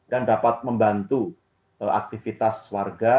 dan dapat membantu aktivitas warga